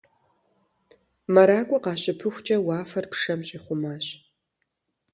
МэракӀуэ къащыпыхукӀэ, уафэр пшэм щӀихъумащ.